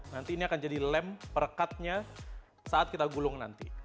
nanti ini akan jadi lem perekatnya saat kita gulung nanti